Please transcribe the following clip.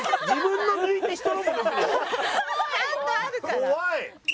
怖い！